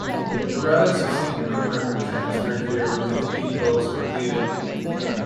The relics of Saint Rupert were transferred here when the cathedral was completed.